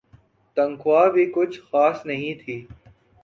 تنخواہ بھی کچھ خاص نہیں تھی ۔